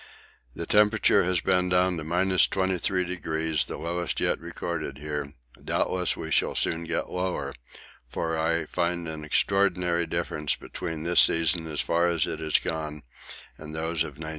The temperature has been down to 23°, the lowest yet recorded here doubtless we shall soon get lower, for I find an extraordinary difference between this season as far as it has gone and those of 1902 3.